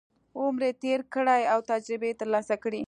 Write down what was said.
عمر یې تېر کړی او تجربې یې ترلاسه کړي.